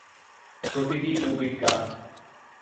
প্রকৃতি ও বিজ্ঞান!